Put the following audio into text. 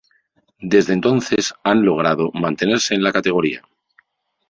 Desde entonces han logrado mantenerse en la categoría.